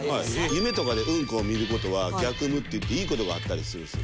夢とかでうんこを見る事は逆夢っていっていい事があったりするんですよ。